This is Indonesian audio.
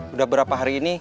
udah berapa hari ini